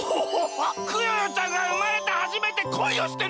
クヨヨちゃんがうまれてはじめて恋をしてるのか！